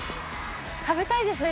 食べたいですね